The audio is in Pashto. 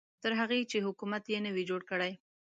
تر هغې چې حکومت یې نه وي جوړ کړی.